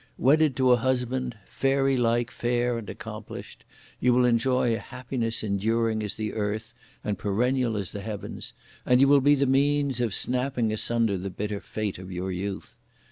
Wedded to a husband, fairy like fair and accomplished, you will enjoy a happiness enduring as the earth and perennial as the Heavens! and you will be the means of snapping asunder the bitter fate of your youth!